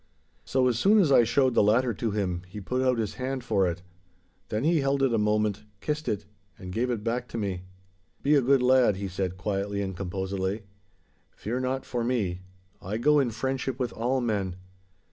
So as soon as I showed the latter to him he put out his hand for it. Then he held it a moment, kissed it, and gave it back to me. 'Be a good lad,' he said quietly and composedly. 'Fear not for me; I go in friendship with all men.